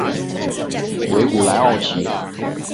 维古莱奥齐。